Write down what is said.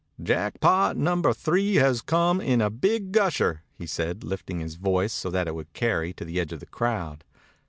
"Jackpot Number Three has come in a big gusher," he said, lifting his voice so that it would carry to the edge of the crowd.